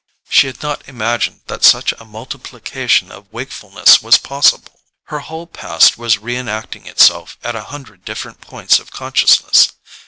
She had not imagined that such a multiplication of wakefulness was possible: her whole past was reenacting itself at a hundred different points of consciousness.